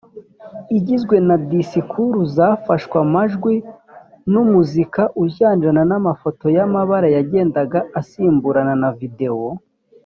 igizwe na disikuru zafashwe amajwi n’umuzika ujyanirana n’amafoto y’amabara yagendaga asimburana na videwo